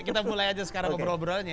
kita mulai aja sekarang ngobrol ngobrolnya